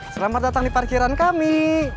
selamat datang di parkiran kami